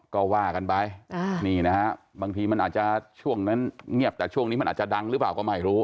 ก็ว่ากันไปบางทีมันอาจจะเงียบแต่ช่วงนี้มันอาจจะดังหรือเปล่าก็ไม่รู้